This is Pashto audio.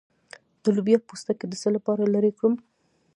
د لوبیا پوستکی د څه لپاره لرې کړم؟